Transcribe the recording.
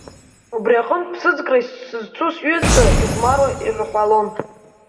Убри аҟнытә ԥсыӡкра сызцу сҩызцәа ихәмаруа ирҳәалон…